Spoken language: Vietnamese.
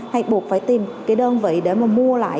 hay buộc phải tìm cái đơn vị để mà mua lại